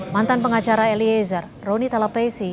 mantan pengacara eliezer roni talapesi